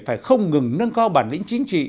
phải không ngừng nâng co bản lĩnh chính trị